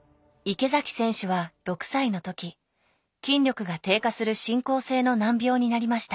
池崎選手は６歳の時筋力が低下する進行性の難病になりました。